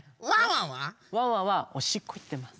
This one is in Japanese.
ワンワンはおしっこいってます。